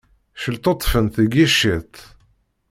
Celṭuṭṭfent deg yiciṭ.